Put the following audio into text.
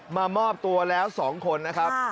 มามอบตัวแล้ว๒คนนะครับ